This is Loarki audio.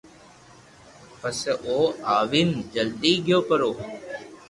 پسي او او آوين جلدي گيو پرو